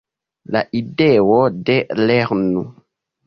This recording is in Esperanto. La ideo de "lernu!